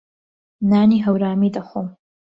نانی هەورامی دەخۆم.